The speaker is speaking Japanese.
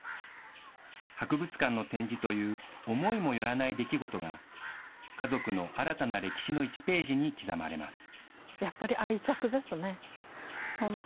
博物館の展示という思いもよらない出来事が、家族の新たな歴史の１ページに刻まれます。